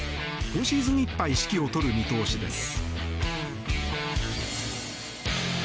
今シーズンいっぱい指揮を執る見通しです。